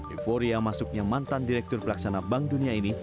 euforia masuknya mantan direktur pelaksana bank dunia ini